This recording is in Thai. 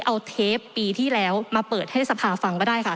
เอาเทปปีที่แล้วมาเปิดให้สภาฟังก็ได้ค่ะ